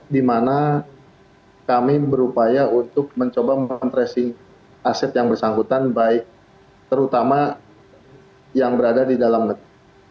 di mana kami berupaya untuk mencoba men tracing aset yang bersangkutan baik terutama yang berada di dalam negeri